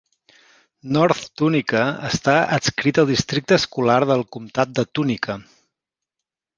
North Tunica està adscrit al districte escolar del comtat de Tunica.